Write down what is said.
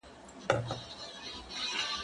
دپښتو ژبي لوی او فلسفي شاعر پروفیسر رازمحمدراز ته